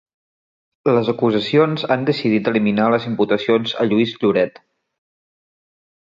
Les acusacions han decidit eliminar les imputacions a Lluís Lloret.